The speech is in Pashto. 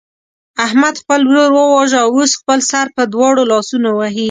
احمد خپل ورور وواژه او اوس خپل سر په دواړو لاسونو وهي.